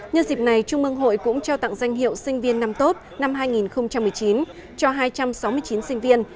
nhân dịp này trung ương hội cũng trao tặng danh hiệu sinh viên năm tốt năm hai nghìn một mươi chín cho hai trăm sáu mươi chín sinh viên